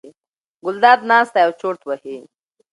ګلداد ناست دی او چورت وهي.